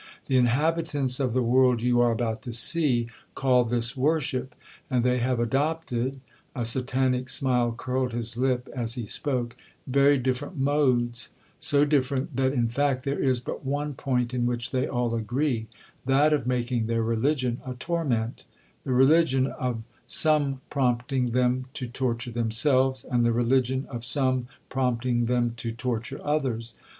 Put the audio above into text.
The inhabitants of the world you are about to see, call this, worship,—and they have adopted (a Satanic smile curled his lip as he spoke) very different modes; so different, that, in fact, there is but one point in which they all agree—that of making their religion a torment;—the religion of some prompting them to torture themselves, and the religion of some prompting them to torture others.